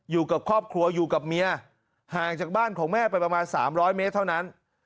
อยู่กับครอบครัวอยู่กับเมียห่างจากบ้านของแม่ไปประมาณ๓๐๐เมตรเท่านั้น